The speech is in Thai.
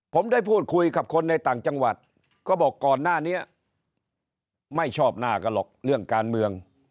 ผมได้พูดคุยกับคนในต่างจังหวัดก็บอกก่อนหน้านี้ไม่ชอบหน้ากันหรอกเรื่องการเมือง